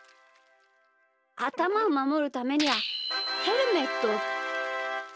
あたまをまもるためにはヘルメット。